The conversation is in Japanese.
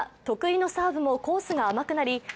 得意のサーブもコースが甘くなり１